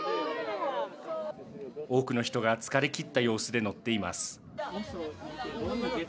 多くの人が疲れ切った様子で乗っています。